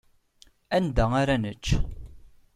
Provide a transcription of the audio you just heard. Anda ara nečč?